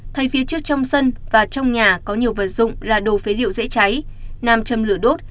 thay phía trước trong sân và trong nhà có nhiều vật dụng là đồ phế liệu dễ cháy nam châm lửa đốt